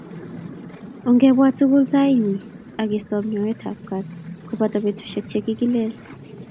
Ongebwaa tukul tait nyin akesom nyoet ab kaat kobata betushek che kikilel